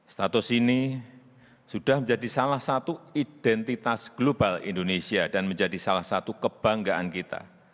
status ini sudah menjadi salah satu identitas global indonesia dan menjadi salah satu kebanggaan kita